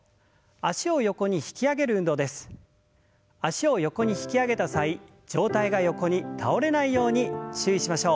脚を横に引き上げた際上体が横に倒れないように注意しましょう。